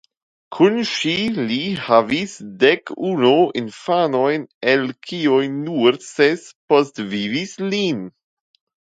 Kun ŝi li havis dek unu infanojn el kiuj nur ses postvivis lin.